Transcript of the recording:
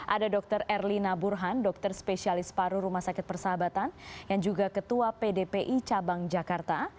ada dr erlina burhan dokter spesialis paru rumah sakit persahabatan yang juga ketua pdpi cabang jakarta